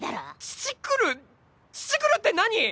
乳繰るって何！？